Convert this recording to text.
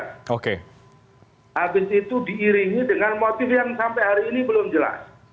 habis itu diiringi dengan motif yang sampai hari ini belum jelas